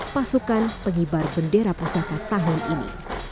pasukan pengibar bendera pusaka tahun ini